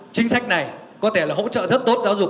chính sách này có thể là hỗ trợ rất tốt giáo dục